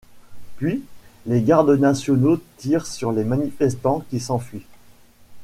Puis des Gardes nationaux tirent sur les manifestants qui s'enfuient.